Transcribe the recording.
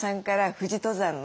富士登山と。